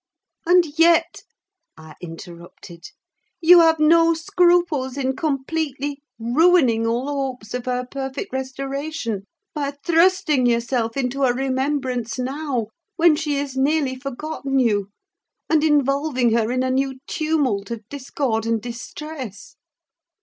"And yet," I interrupted, "you have no scruples in completely ruining all hopes of her perfect restoration, by thrusting yourself into her remembrance now, when she has nearly forgotten you, and involving her in a new tumult of discord and distress."